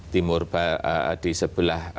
timur di sebelah